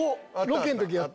ロケん時やった。